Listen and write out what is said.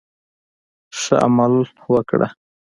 ښه عمل وکړه.